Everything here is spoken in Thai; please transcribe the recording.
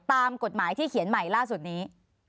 ตามกฎหมายที่เขียนใหม่ล่าสุดนี้